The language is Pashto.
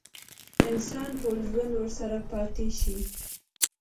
انسان ټول ژوند ورسره پاتې شي.